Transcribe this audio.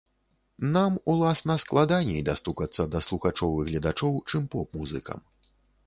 Нам, уласна, складаней дастукацца да слухачоў і гледачоў, чым поп-музыкам.